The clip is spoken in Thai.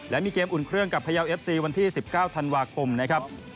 และมีเกมอุ่นเครื่องกับพยาวเอฟซีวันที่๑๙ธันวาคมนะครับ